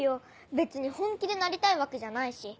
別に本気でなりたいわけじゃないし。